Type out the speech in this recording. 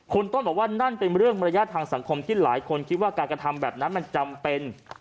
คุณต้นบอกว่านั่นเป็นเรื่องมารยาททางสังคมที่หลายคนคิดว่าการกระทำแบบนั้นมันจำเป็น